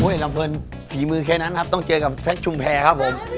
ลำเพลินฝีมือแค่นั้นครับต้องเจอกับแซคชุมแพรครับผม